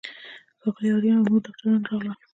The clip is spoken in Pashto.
ښاغلی آرین او نورو ډاکټرانو راغلل.